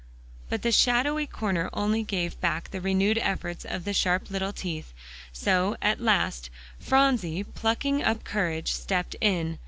But the shadowy corner only gave back the renewed efforts of the sharp little teeth; so at last, Phronsie, plucking up courage, stepped in.